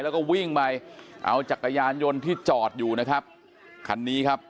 แล้วก็วิ่งไปเอาจักรยานยนต์ที่จอดอยู่นะครับคันนี้ครับ